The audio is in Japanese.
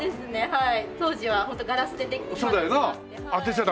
はい。